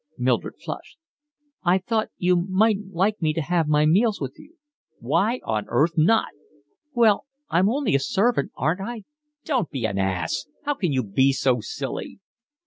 Mildred flushed. "I thought you mightn't like me to have my meals with you." "Why on earth not?" "Well, I'm only a servant, aren't I?" "Don't be an ass. How can you be so silly?"